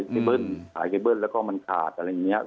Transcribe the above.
ถึงหาโพดลงมาต้นบันไดขาดและขาด